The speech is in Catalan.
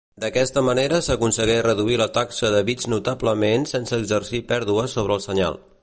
D'aquesta manera s'aconsegueix reduir la taxa de bits notablement sense exercir pèrdues sobre el senyal.